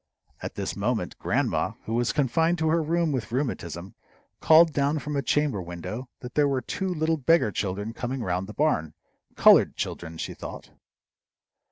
At this moment, grandma, who was confined to her room with rheumatism, called down from a chamber window that there were two little beggar children coming round the barn colored children, she thought.